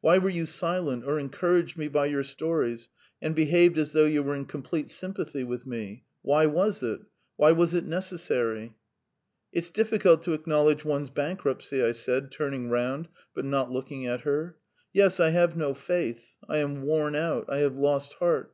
Why were you silent or encouraged me by your stories, and behaved as though you were in complete sympathy with me? Why was it? Why was it necessary?" "It's difficult to acknowledge one's bankruptcy," I said, turning round, but not looking at her. "Yes, I have no faith; I am worn out. I have lost heart. .